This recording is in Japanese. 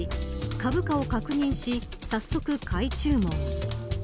株価を確認し早速、買い注文。